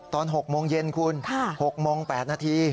ตอน๖โมงเย็นคุณ๖โมง๘นาที